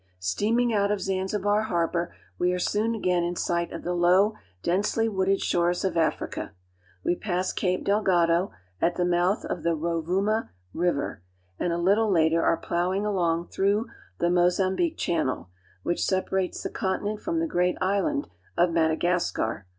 Steaming out of Zanzibar harbor, we are soon again in sight of the low, densely wooded shores of Africa. We pass Cape Delgado, at the mouth of the Rovuma (rd voo' ma) River, and a little later are plowing along through the Mozambique Channel, which separates the continent from the great island of Madagascar.